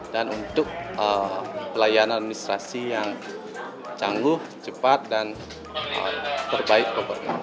untuk pelayanan administrasi yang cangguh cepat dan terbaik pokoknya